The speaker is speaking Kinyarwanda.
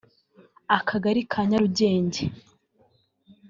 Akagari ka Nyarurenzi